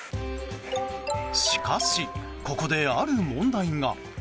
しかし、ここである問題が。